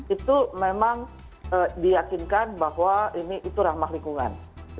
itu memang diyakinkan bahwa ini itu ramah lingkungan